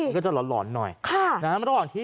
ก็จะหลอนหน่อย